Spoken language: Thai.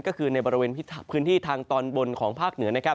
ก็คือในบริเวณพื้นที่ทางตอนบนของภาคเหนือนะครับ